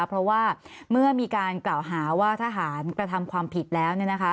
เพราะว่าเมื่อมีการกล่าวหาว่าทหารกระทำความผิดแล้ว